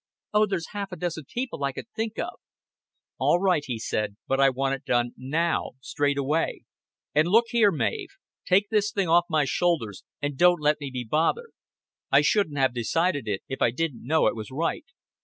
"Oh, there's half a dozen people I could think of " "All right," he said; "but I want it done now, straight away. And look here, Mav. Take this thing off my shoulders, and don't let me be bothered. I shouldn't have decided it, if I didn't know it was right.